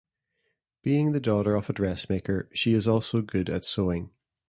Being the daughter of a dressmaker, she is also good at sewing.